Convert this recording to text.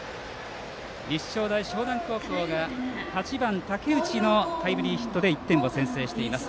立正大淞南高校が８番の竹内のタイムリーヒットで１点先制しています。